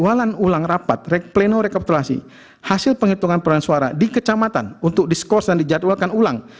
penjualan ulang rapat pleno rekapitulasi hasil penghitungan peran suara di kecamatan untuk diskors dan dijadwalkan ulang